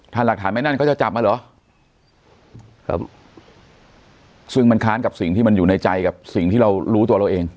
ถ้าหลักฐานไม่แน่นเขาจะจับมาเหรอครับซึ่งมันค้านกับสิ่งที่มันอยู่ในใจกับสิ่งที่เรารู้ตัวเราเอง